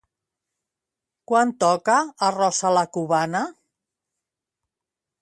Quan toca arròs a la cubana?